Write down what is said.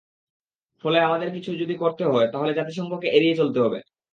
ফলে আমাদের যদি কিছু করতে হয়, তাহলে জাতিসংঘকে এড়িয়ে চলতে হবে।